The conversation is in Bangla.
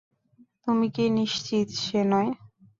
তুমি কি নিশ্চিত, শেনয়?